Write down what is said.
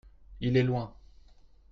il est loin.